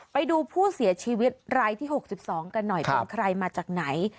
ไปดูผู้เสียชีวิตรายที่๖๒กันหน่อยเป็นใครมาจากไหน